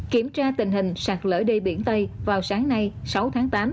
kiểm tra tình hình sạt lở đê biển tây vào sáng nay sáu tháng tám